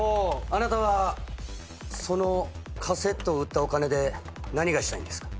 あなたはそのカセットを売ったお金で何がしたいんですか？